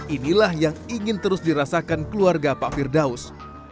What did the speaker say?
inilah yang ingin terus dirasakan keluarga pak firdaus